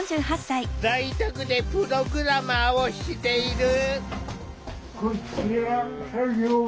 在宅でプログラマーをしている。